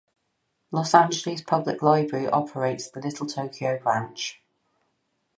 Los Angeles Public Library operates the Little Tokyo Branch.